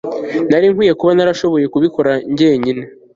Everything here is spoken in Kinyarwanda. nari nkwiye kuba narashoboye kubikora njyenyine